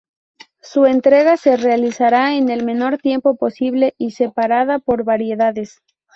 Su entrega se realizará en el menor tiempo posible y separada por variedades.